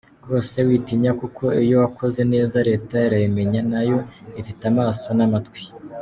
Rwose witinya kuko iyo wakoze neza leta irabimenya nayo ifite amaso n’amatwi.